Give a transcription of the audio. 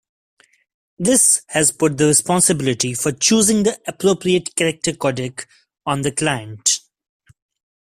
This has put the responsibility for choosing the appropriate character codec on the client.